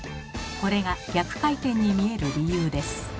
これが逆回転に見える理由です。